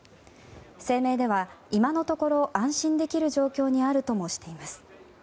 声明では、今のところ安心できる状況にあるともしています。